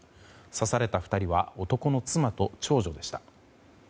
刺された２人は男の妻と長女でした。